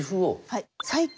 はい。